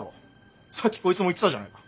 さっきこいつも言ってたじゃないか。